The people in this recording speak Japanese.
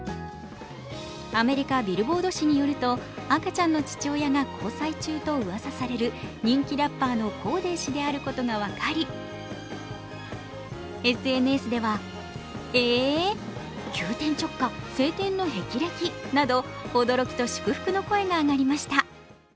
アメリカ・ビルボード紙によると赤ちゃんの父親が、交際中とうわさされる、人気ラッパーのコーデー氏であることが分かり、ＳＮＳでは驚きと祝福の声が上がりました。